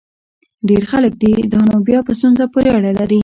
ډېر خلک دي؟ دا نو بیا په ستونزه پورې اړه لري.